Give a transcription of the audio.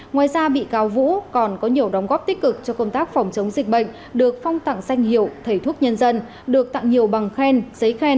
ngoài ra bị cáo vũ còn có nhiều đóng góp tích cực cho công tác phòng chống dịch bệnh được phong tặng danh hiệu thầy thuốc nhân dân được tặng nhiều bằng khen giấy khen